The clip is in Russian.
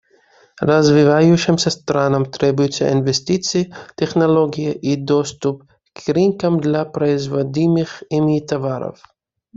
Развивающимся странам требуются инвестиции, технологии и доступ к рынкам для производимых ими товаров.